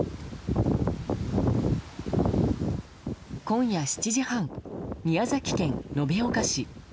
今夜７時半、宮崎県延岡市。